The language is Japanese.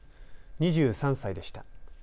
２３歳でした。